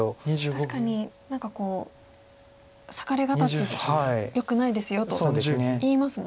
確かに何か裂かれ形よくないですよといいますもんね。